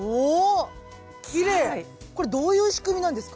これどういう仕組みなんですか？